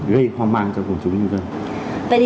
gây hoang mang cho cộng chúng nhân dân